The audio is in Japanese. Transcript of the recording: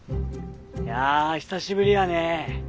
いや久しぶりやね。